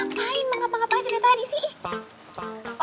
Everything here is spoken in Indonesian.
ngapain mengapa ngapa aja udah tadi sih